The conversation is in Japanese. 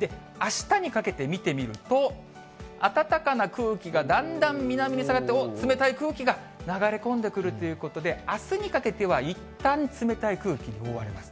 で、あしたにかけて見てみると、暖かな空気がだんだん南に下がって、おっ、冷たい空気が流れ込んでくるということで、あすにかけてはいったん冷たい空気に覆われます。